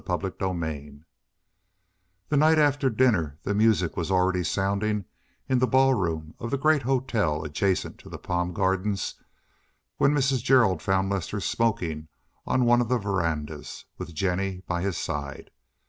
CHAPTER XLVI That night after dinner the music was already sounding in the ball room of the great hotel adjacent to the palm gardens when Mrs. Gerald found Lester smoking on one of the verandas with Jennie by his side.